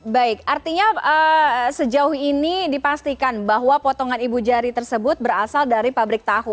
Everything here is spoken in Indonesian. baik artinya sejauh ini dipastikan bahwa potongan ibu jari tersebut berasal dari pabrik tahu